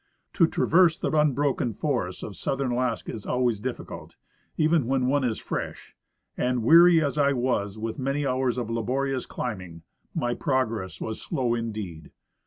To traverse the unbroken forests of southern Alaska is always difficult, even when one is fresh ; and, weary as I was with many hours of laborious climbing, my progress was slow indeed.